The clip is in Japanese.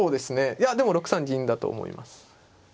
いやでも６三銀だと思います。